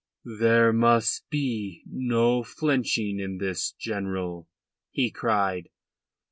"There must be no flinching in this, General," he cried.